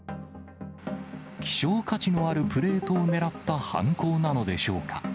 希少価値のあるプレートを狙った犯行なのでしょうか。